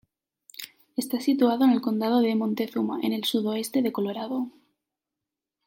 Está situado en el condado de Montezuma, en el sudoeste de Colorado.